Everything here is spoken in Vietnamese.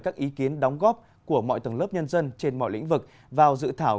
các ý kiến đóng góp của mọi tầng lớp nhân dân trên mọi lĩnh vực vào dự thảo